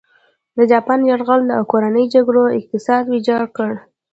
د جاپان یرغل او کورنۍ جګړو اقتصاد ویجاړ کړ.